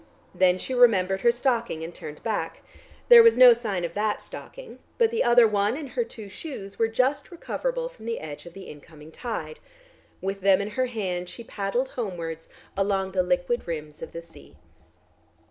Then she remembered her stocking and turned back. There was no sign of that stocking, but the other one and her two shoes were just recoverable from the edge of the incoming tide. With them in her hand she paddled homewards along the "liquid rims" of the sea.